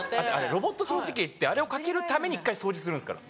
ロボット掃除機ってあれをかけるために一回掃除するんですから。